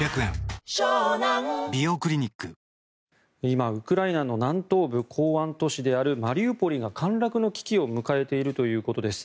今、ウクライナの南東部港湾都市であるマリウポリが陥落の危機を迎えているということです。